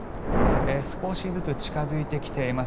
少しずつ近付いてきています